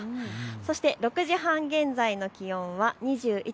そして６時半現在の気温は２１．１度。